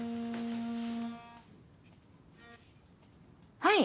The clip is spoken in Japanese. はい。